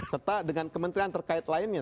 serta dengan kementerian terkait lainnya